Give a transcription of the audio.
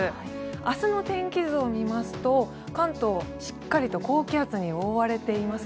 明日の天気図を見ますと関東、しっかりと高気圧に覆われています。